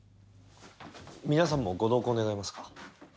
皆さんもご同行願えますか。